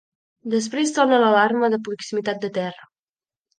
Després sona l'alarma de proximitat de terra.